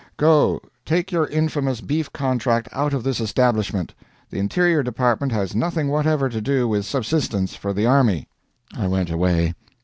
Go, take your infamous beef contract out of this establishment. The Interior Department has nothing whatever to do with subsistence for the army." I went away.